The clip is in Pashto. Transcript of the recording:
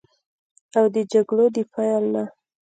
او د جګړو د پیل نه